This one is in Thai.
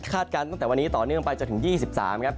การตั้งแต่วันนี้ต่อเนื่องไปจนถึง๒๓ครับ